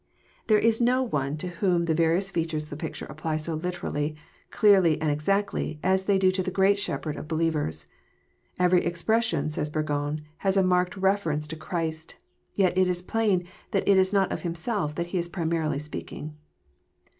There is no one to t 1 188 EXPOSrrOKY thoughts. ivhom the various features of the picture apply so literally, clearly, and exactly, as they do to th>s great Shepherd of believ ers. " Every expression," says Burgou, " has a marked refer ence to Christ ; yet it is plain that it is not of Himself that He is primarily speaking."